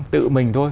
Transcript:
tự mình thôi